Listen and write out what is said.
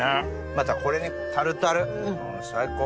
またこれにタルタルもう最高。